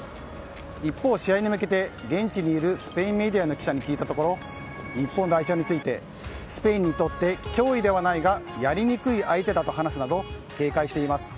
一方、試合に向けて現地にいるスペインメディアの記者に聞いたところ日本代表についてスペインにとって脅威ではないがやりにくい相手だと話すなど警戒しています。